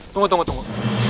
tunggu tunggu tunggu